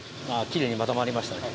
きれいにまとまりましたね。